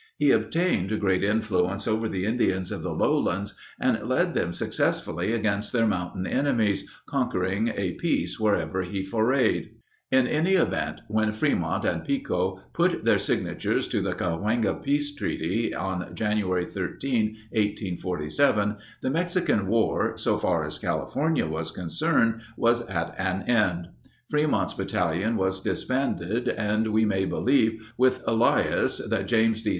He obtained great influence over the Indians of the lowlands and led them successfully against their mountain enemies, conquering a peace wherever he forayed. In any event, when Frémont and Pico put their signatures to the Cahuenga peace treaty on January 13, 1847, the Mexican War, so far as California was concerned, was at an end. Frémont's battalion was disbanded, and we may believe, with Elias, that James D.